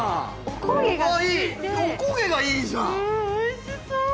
お焦げがいいじゃんうん美味しそう！